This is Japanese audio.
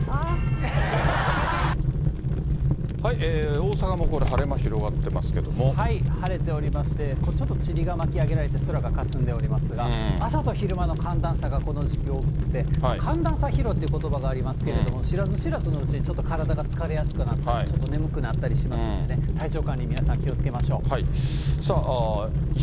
大阪もこれ、晴れておりまして、ちょっとちりがまきあげられて空がかすんでおりますが、朝と昼間の寒暖差がこの時期大きくて、寒暖差疲労ということばがありますけれども、知らず知らずのうちにちょっと体が疲れやすくなったり、ちょっと眠くなったりしますんでね、体調管理、皆さん、気をつけましょう。